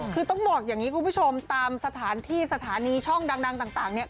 คือต้องบอกอย่างนี้คุณผู้ชมตามสถานที่สถานีช่องดังต่างเนี่ย